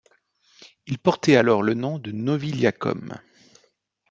Il portait alors le nom de Noviliacum.